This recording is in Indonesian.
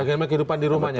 bagaimana kehidupan di rumah